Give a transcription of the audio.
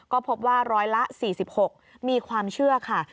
ก็พบว่าร้อยละ๔๖มีความเชื่อค่ะ